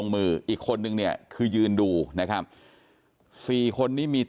เสียใจสิ